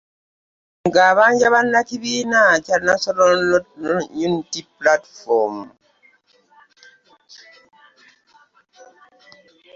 Ng'abanja bannakibiina kya National Unity Platform.